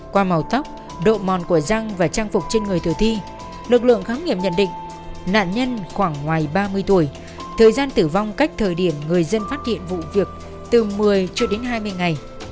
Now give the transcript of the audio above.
qua màu tóc độ mòn của răng và trang phục trên người tử thi lực lượng khám nghiệm nhận định nạn nhân khoảng ngoài ba mươi tuổi thời gian tử vong cách thời điểm người dân phát hiện vụ việc từ một mươi cho đến hai mươi ngày